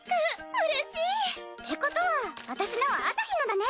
うれしい！ってことは私のは朝陽のだね！